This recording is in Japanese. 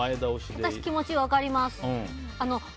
私、気持ち分かります。